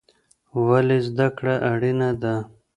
ولې زده کړه اړینه ده؟